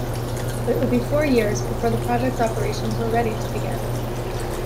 It would be four years before the project's operations were ready to begin.